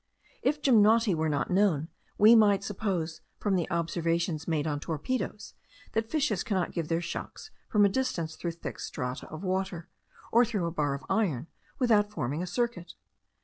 If the gymnoti were not known, we might suppose, from the observations made on torpedos, that fishes cannot give their shocks from a distance through very thick strata of water, or through a bar of iron, without forming a circuit.